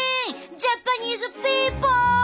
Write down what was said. ジャパニーズピーポー！